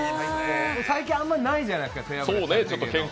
最近あんまりないじゃないですか背脂って。